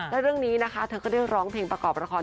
และเรื่องนี้นะคะเธอก็ได้ร้องเพลงประกอบละคร